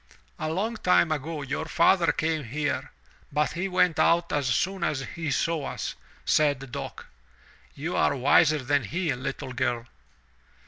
"A long time ago your father came here, but he went out as soon as he saw us," said Dock. "You are wiser than he, little girl."